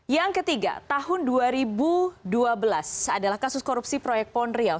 yang ketiga tahun dua ribu dua belas adalah kasus korupsi proyek ponrial